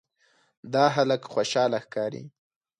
دا هلک خوشاله ښکاري.